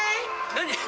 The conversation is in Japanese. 何？